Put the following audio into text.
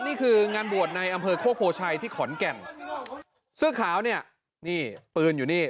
นี่คืองานบวชในอำเภอโคกโพชัยที่ขอนแก่นเสื้อขาวเนี่ยนี่ปืนอยู่นี่